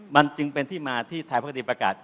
มันจึงเป็นที่มาที่ภาคดีประกาศ